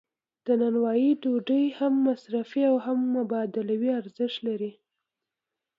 د نانوایی ډوډۍ هم مصرفي او هم مبادلوي ارزښت لري.